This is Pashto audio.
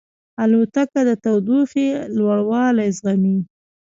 الوتکه د تودوخې لوړوالی زغمي.